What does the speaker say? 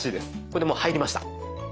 これでもう入りました。